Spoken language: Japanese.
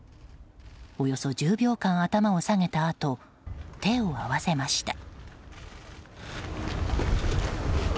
およそ１０秒間頭を下げたあと手を合わせました。